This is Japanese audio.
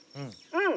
うん！